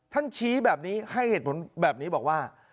ชี้แบบนี้ให้เหตุผลแบบนี้บอกว่า